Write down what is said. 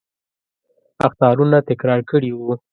اخطارونه تکرار کړي وو.